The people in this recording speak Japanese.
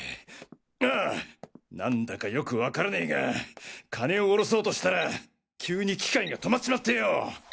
ああ何だかよくわからねぇが金をおろそうとしたら急に機械が止まっちまってよ。